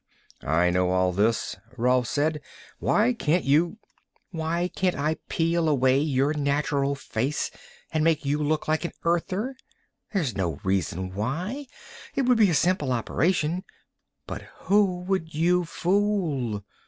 "I know all this," Rolf said. "Why can't you " "Why can't I peel away your natural face and make you look like an Earther? There's no reason why; it would be a simple operation. But who would you fool?